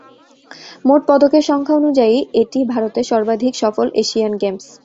মোট পদকের সংখ্যা অনুযায়ী, এটি ভারতের সর্বাধিক সফল এশিয়ান গেমস।